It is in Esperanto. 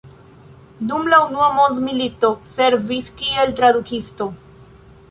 Dum la Unua mondmilito servis kiel tradukisto.